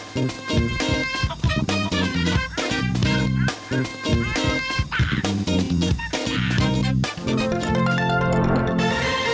โปรดติดตามตอนต่อไป